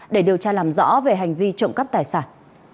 để điều tra làm rõ về hành vi trộm cắp tài sản